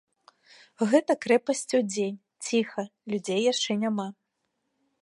Гэта крэпасць удзень, ціха, людзей яшчэ няма.